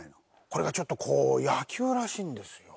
これがちょっと野球らしいんですよ。